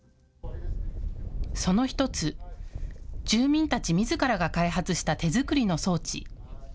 その１つ、住民たちみずからが開発した手作りの装置。